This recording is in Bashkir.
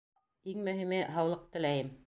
— Иң мөһиме — һаулыҡ теләйем.